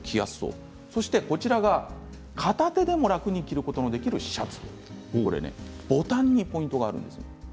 こちらは片手でも楽に着ることができるシャツボタンにポイントがあるんです。